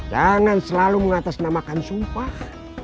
jangan selalu mengatasnamakan sumpah